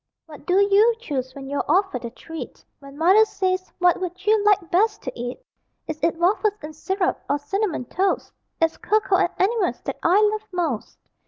What do you choose when you're offered a treat? When Mother says, "What would you like best to eat?" Is it waffles and syrup, or cinnamon toast? It's cocoa and animals that I love most!